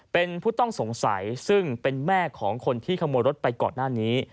เป็นผู้ต้องสงสัยซึ่งเป็นแม่ของคนที่ขโมยรถไปก่อนหน้านี้